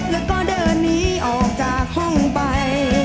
แล้วก็เดินหนีออกจากห้องไป